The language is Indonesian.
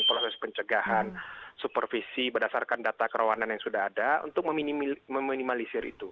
proses pencegahan supervisi berdasarkan data kerawanan yang sudah ada untuk meminimalisir itu